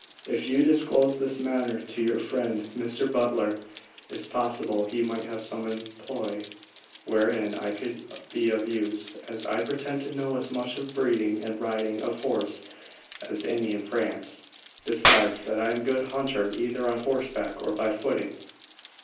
If you'd disclose this matter to your friend Mr. Butler, it's possible he might have some employ wherein I could be of use, as I pretend to know as much of breeding and riding of horse as any in France, besides that I am a good hunter either on horseback or by footing.